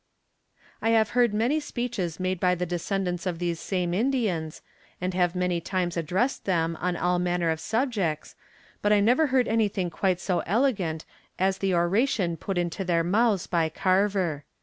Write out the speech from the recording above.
'" I have heard many speeches made by the descendants of these same Indians, and have many times addressed them on all manner of subjects, but I never heard anything quite so elegant as the oration put into their mouths by Carver.